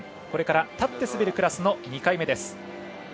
これから立って滑るクラスの２回目です。